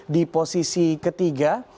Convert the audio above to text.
di posisi ketiga